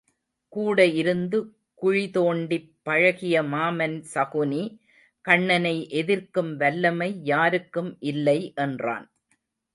கூட இருந்து குழி தோண்டிப் பழகிய மாமன் சகுனி கண்ணனை எதிர்க்கும் வல்லமை யாருக்கும் இல்லை என்றான்.